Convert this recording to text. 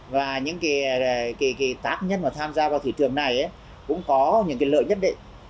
và những cái tác nhất mà tham gia vào thị trường này cũng có những cái lợi nhất đấy